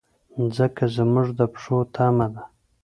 مځکه زموږ د پښو تمه ده.